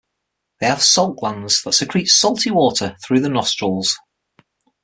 They have salt glands that secrete salty water through the nostrils.